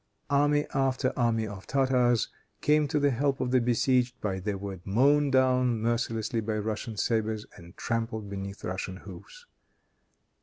Army after army of Tartars came to the help of the besieged, but they were mown down mercilessly by Russian sabers, and trampled beneath Russian hoofs.